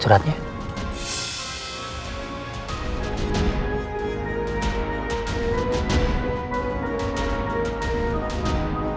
saya lihat suratnya